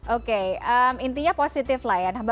oke intinya positif lah ya